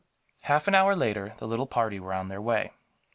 Half an hour later, the little party were on their way.